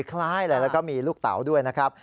คล้ายเลยแล้วก็มีลูกเต๋าด้วยนะครับ